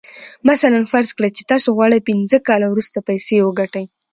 مثلاً فرض کړئ چې تاسې غواړئ پينځه کاله وروسته پيسې وګټئ.